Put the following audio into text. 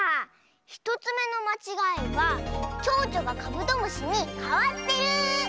１つめのまちがいはちょうちょがカブトムシにかわってる！